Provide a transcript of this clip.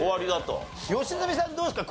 良純さんどうですか？